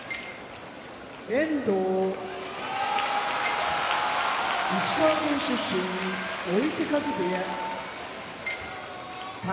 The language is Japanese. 遠藤石川県出身追手風部屋宝